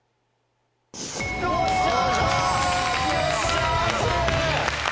よっしゃ！